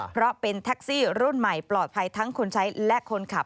เพราะเป็นแท็กซี่รุ่นใหม่ปลอดภัยทั้งคนใช้และคนขับ